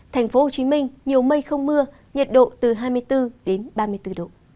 thành phố hồ chí minh nhiều mây không mưa nhiệt độ từ hai mươi bốn đến ba mươi bốn độ